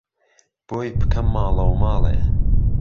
بۆی بکهم ماڵهوماڵێ